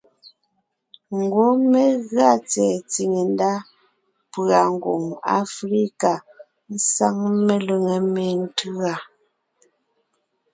Ngwɔ́ mé gʉa tsɛ̀ɛ tsìŋe ndá pʉ̀a Ngwòŋ Aflíka sáŋ melʉŋé méntʉ́a: